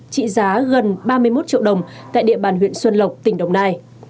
trị giá gần ba mươi một triệu đồng tại địa bàn huyện xuân lộc tỉnh đồng nai